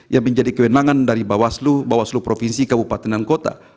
yang menjadi kewenangan dari bawaslu bawaslu provinsi kabupaten dan kota